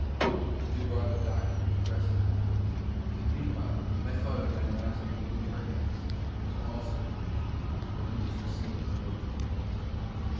They brought a doctor who dressed my wounds. Meanwhile; I thought of my Master, who, perhaps, was also wounded, but who was receiving no care!